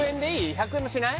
１００円もしない？